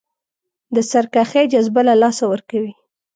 د سرکښۍ جذبه له لاسه ورکوي.